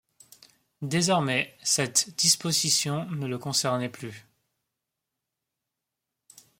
Désormais, cette disposition ne le concernait plus.